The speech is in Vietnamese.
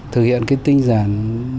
thực hiện cái tinh giản